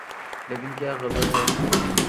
لیکن کیا غضب ہے۔